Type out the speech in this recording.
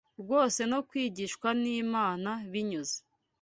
rwose no kwigishwa n’Imana binyuze